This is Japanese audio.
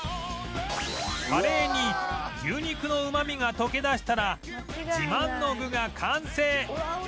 カレーに牛肉のうまみが溶け出したら自慢の具が完成